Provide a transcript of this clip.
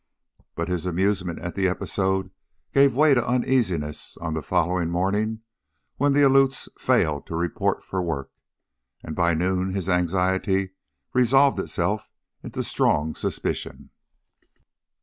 But his amusement at the episode gave way to uneasiness on the following morning when the Aleuts failed to report for work, and by noon his anxiety resolved itself into strong suspicion.